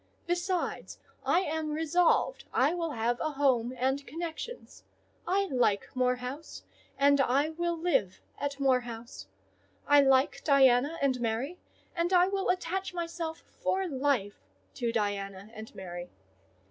Besides, I am resolved I will have a home and connections. I like Moor House, and I will live at Moor House; I like Diana and Mary, and I will attach myself for life to Diana and Mary.